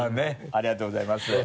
ありがとうございます。